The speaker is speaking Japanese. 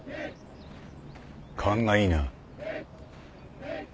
勘がいいな。